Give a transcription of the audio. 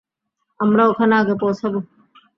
আমরা ওখানে আগে পৌঁছাব।